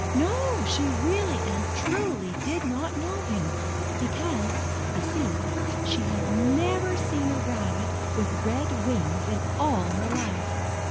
No, she really and truly did not know him, because, you see, she had never seen a rabbit with red wings in all her life.